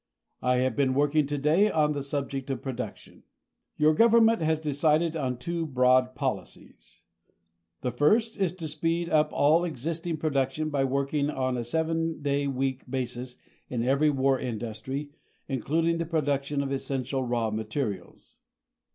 I have been working today on the subject of production. Your government has decided on two broad policies. The first is to speed up all existing production by working on a seven day week basis in every war industry, including the production of essential raw materials.